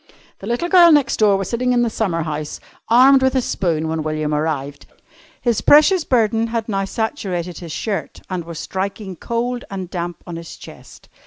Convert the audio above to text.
The little girl next door was sitting in the summer house, armed with a spoon, when William arrived. His precious burden had now saturated his shirt and was striking cold and damp on his chest.